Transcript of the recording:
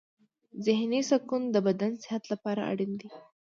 ذهني سکون د بدن صحت لپاره اړین دی.